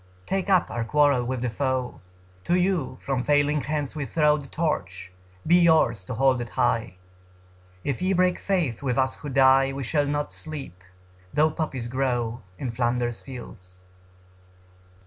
Take up our quarrel with the foe: To you from failing hands we throw The torch; be yours to hold it high. If ye break faith with us who die We shall not sleep, though poppies grow In Flanders fields.